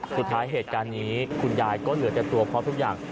สุดท้ายเหตุการณ์นี้คุณยายก็เหลือแต่ตัวเพราะทุกอย่าง